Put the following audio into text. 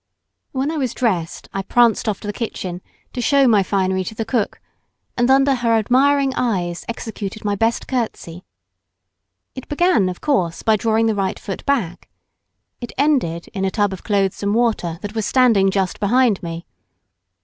When I was dressed, I pranced off to the kitchen to show my finery to the cook, and under her admiring eyes executed my best curtsey. It began, of course, by drawing the right foot back; it ended in a tub of clothes and water that was standing just behind me.